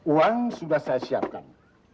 uang sudah saya siapkan